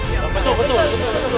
betul betul betul